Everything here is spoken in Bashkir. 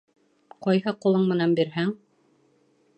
Ҡайһы ҡулың менән бирһәң